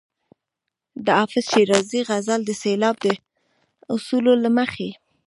د حافظ شیرازي غزل د سېلاب د اصولو له مخې.